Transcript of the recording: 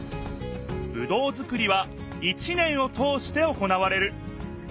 ぶどうづくりは一年を通して行われる。